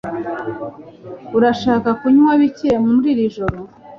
Urashaka kunywa bike muri iri joro?